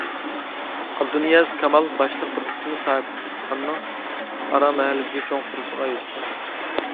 ئابدۇنىياز كامال باشلىق بىر قىسمى ساھىبخانىنىڭ ئارا مەھەللىدىكى چوڭ قورۇسىغا يۆتكەلدى.